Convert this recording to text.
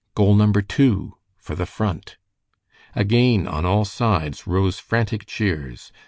Goal number two for the Front! Again on all sides rose frantic cheers.